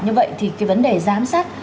như vậy thì vấn đề giám sát